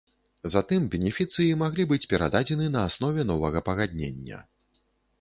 Затым бенефіцыі маглі быць перададзены на аснове новага пагаднення.